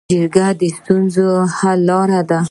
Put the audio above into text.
جرګه د ستونزو حل دی